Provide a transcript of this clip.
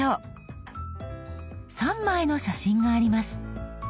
３枚の写真があります。